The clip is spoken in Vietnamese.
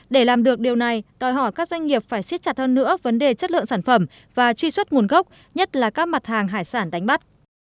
để làm được điều này đòi hỏi các doanh nghiệp phải xiết chặt hơn nữa vấn đề chất lượng sản phẩm và truy xuất nguồn gốc nhất là các mặt hàng hải sản đánh bắt